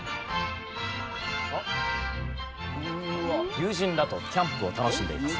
友人らとキャンプを楽しんでいます。